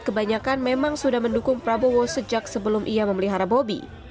kebanyakan memang sudah mendukung prabowo sejak sebelum ia memelihara bobi